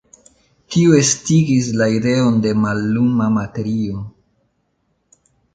Tio estigis la ideon de malluma materio.